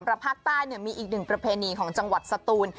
เพราะภาคใต้มีอีกหนึ่งประเพณีของจังหวัดสตูน